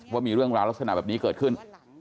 ว่ามีเรื่องราวลักษณะแบบนี้เกิดขึ้น